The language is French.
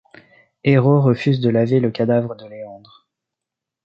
Héro refuse de laver le cadavre de Léandre.